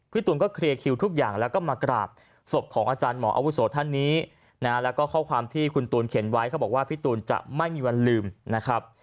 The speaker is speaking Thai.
ตูนก็เคลียร์คิวทุกอย่างแล้วก็มากราบศพของอาจารย์หมออาวุโสท่านนี้นะแล้วก็ข้อความที่คุณตูนเขียนไว้เขาบอกว่าพี่ตูนจะไม่มีวันลืมนะครับ